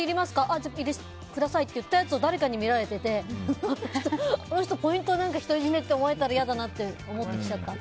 じゃあくださいって言ったやつを誰かに見られててあの人ポイント一人占めっておもわれたら嫌だなって思っちゃった。